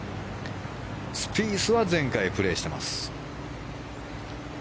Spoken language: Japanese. スピースは前回プレーしています。